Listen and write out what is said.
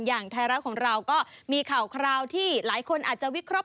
อย่างไทยรัฐของเราก็มีข่าวคราวที่หลายคนอาจจะวิเคราะห